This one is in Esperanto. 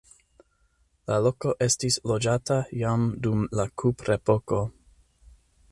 La loko estis loĝata jam dum la kuprepoko.